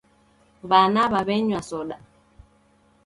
W'ana w'aw'enywa soda